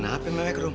nih kenapa melek rom